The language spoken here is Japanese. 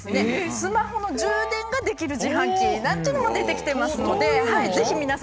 スマホの充電ができる自販機なんていうのも出てきてますのでぜひ皆さん